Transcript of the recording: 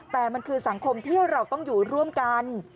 แต่มันคือสังคมที่เราต้องอยู่ร่วมกัน